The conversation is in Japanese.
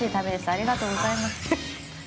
ありがとうございます。